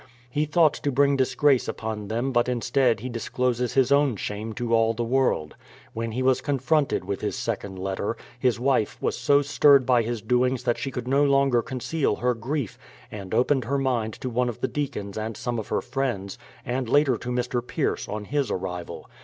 He thought to bring disgrace upon them but instead he dis closes his own shame to all the world. When he was con fronted with his second letter, his wife was so stirred by his doings that she could no longer conceal her grief, and opened her mind to one of the deacons and some of her friends, and later to Mr. Pierce, on his arrival.